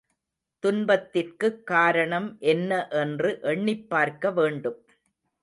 துன்பத்திற்குக் காரணம் என்ன என்று எண்ணிப்பார்க்க வேண்டும்.